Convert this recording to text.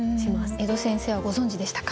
江戸先生はご存じでしたか？